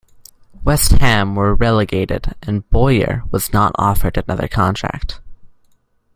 West Ham were relegated and Bowyer was not offered another contract.